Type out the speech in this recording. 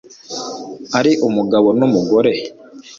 ari umugabo n'umugore